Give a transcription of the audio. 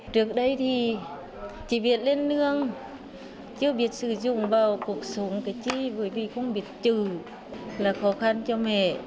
trước đây thì chỉ biết lên nương chưa biết sử dụng vào cụ súng cái chữ bởi vì không biết trừ là khó khăn cho mẹ